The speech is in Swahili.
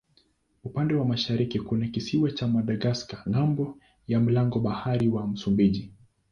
Upande wa mashariki kuna kisiwa cha Madagaska ng'ambo ya mlango bahari wa Msumbiji.